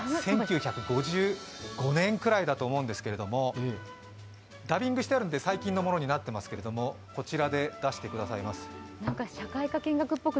１９５５年くらいだと思うんですけれども、ダビングしてあるんで最近のものになっていますけどこちらから出してもらいます。